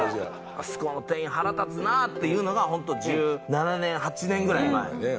「あそこの店員腹立つなあ」っていうのがホント１７年１８年ぐらい前。